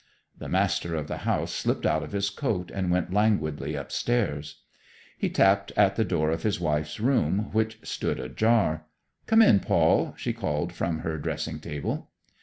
The master of the house slipped out of his coat and went languidly upstairs. He tapped at the door of his wife's room, which stood ajar. "Come in, Paul," she called from her dressing table.